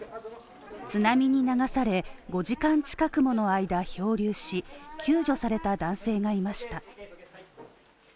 津波に流され、５時間近くもの間漂流し、救助された男性がいました。